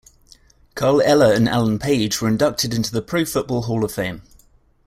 Carl Eller and Alan Page were inducted into the Pro Football Hall of Fame.